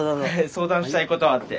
相談したいことあって。